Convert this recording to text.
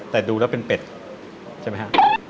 แต่ดูแล้วเป็นเป็ดใช่ไหมฮะ